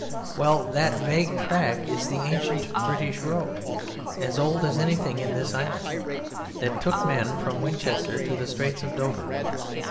Well, that vague track is the ancient British road, as old as anything in this Island, that took men from Winchester to the Straits of Dover.